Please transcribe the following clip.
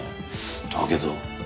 だけど。